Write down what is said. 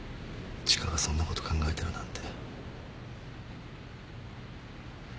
千賀がそんなこと考えてるなんて。